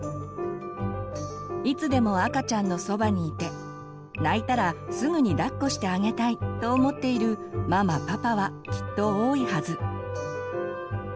いつでも赤ちゃんのそばにいて泣いたらすぐにだっこしてあげたいと思っているママパパはきっと多いはず。